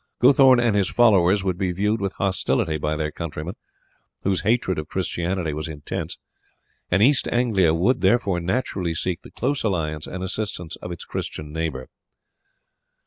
Guthorn and his followers would be viewed with hostility by their countrymen, whose hatred of Christianity was intense, and East Anglia would, therefore, naturally seek the close alliance and assistance of its Christian neighbour.